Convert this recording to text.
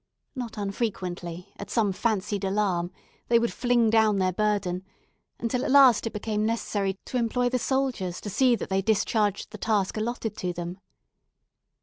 Not unfrequently, at some fancied alarm, they would fling down their burden, until at last it became necessary to employ the soldiers to see that they discharged the task allotted to them.